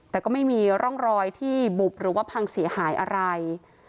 แต่ก็ไม่มีร่องรอยที่บุบหรือว่าพังเสียหายอะไร